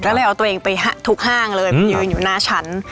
ก็เลยเอาตัวเองไปทุกห้างเลย